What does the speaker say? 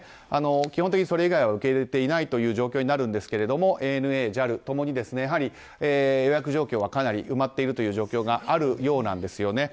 基本的にそれ以外は受け入れていないという状況になるんですがＡＮＡ、ＪＡＬ共にやはり予約状況はかなり埋まっている状況があるようなんです。